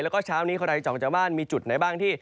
แล้วก็เช้านี้ใครจะออกจากบ้านมีจุดไหนบ้างที่